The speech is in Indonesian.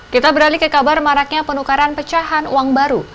kita beralih ke kabar maraknya penukaran pecahan uang baru